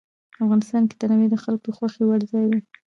افغانستان کې تنوع د خلکو د خوښې وړ ځای دی.